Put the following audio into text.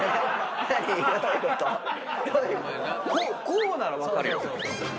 こうなら分かるよ。